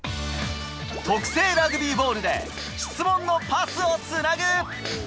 特製ラグビーボールで、質問のパスをつなぐ。